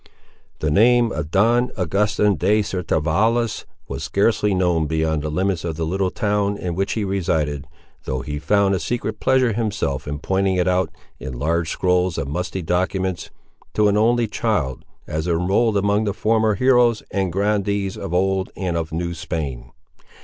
The name of Don Augustin de Certavallos was scarcely known beyond the limits of the little town in which he resided, though he found a secret pleasure himself in pointing it out, in large scrolls of musty documents, to an only child, as enrolled among the former heroes and grandees of Old and of New Spain.